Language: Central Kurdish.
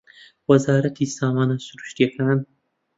وەزارەتی سامانە سروشتییەکان